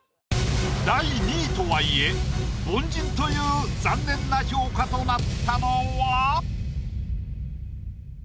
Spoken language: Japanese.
第２位とはいえ凡人という残念な評価となったのは？